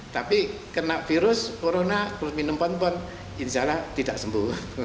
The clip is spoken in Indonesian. tapi kena virus corona terus minum pon pot insya allah tidak sembuh